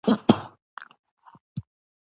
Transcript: هېڅ خبر نه وم د هجر له ماتمه.